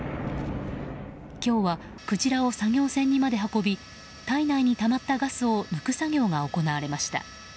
今日はクジラを作業船にまで運び体内にたまったガスを抜く作業が行われました。